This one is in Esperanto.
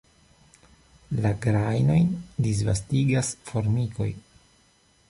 La grajnojn disvastigas formikoj.